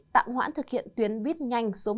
tạm hoãn thực hiện tuyến buýt nhanh số một